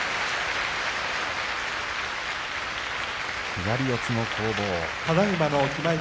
左四つの攻防。